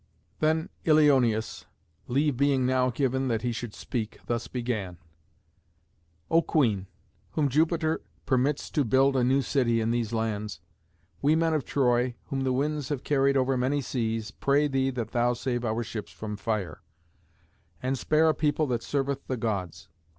Then Ilioneus, leave being now given that he should speak, thus began: "O Queen, whom Jupiter permits to build a new city in these lands, we men of Troy, whom the winds have carried over many seas, pray thee that thou save our ships from fire, and spare a people that serveth the Gods.